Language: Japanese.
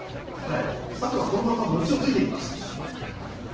あとはこのまんま餅をついていきます。